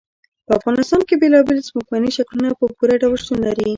په افغانستان کې بېلابېل ځمکني شکلونه په پوره ډول شتون لري.